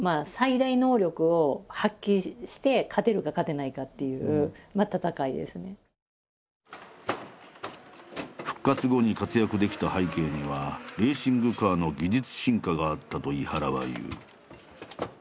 なのでもう本当に復活後に活躍できた背景にはレーシングカーの技術進化があったと井原は言う。